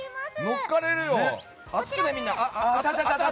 乗っかれるね。